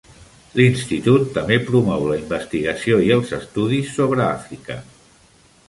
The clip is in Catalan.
L'institut també promou la investigació i els estudis sobre Àfrica.